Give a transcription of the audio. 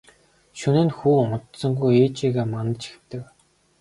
Шөнө нь хүү унтсангүй ээжийгээ манаж хэвтэв.